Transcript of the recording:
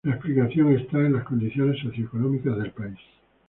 La explicación está en las condiciones socioeconómicas del país.